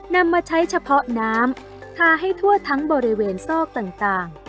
นำมาใช้เฉพาะน้ำทาให้ทั่วทั้งบริเวณซอกต่าง